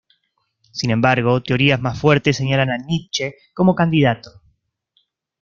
Sin embargo, teorías más fuertes señalan a Nietzsche como candidato.